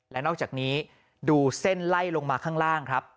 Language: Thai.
และนอกจากนี้ดูเส้นไล่ลงมาข้างล่างครับ